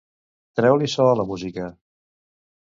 Treu-li so a la música.